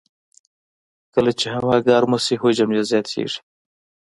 کله چې هوا ګرمه شي، حجم یې زیاتېږي.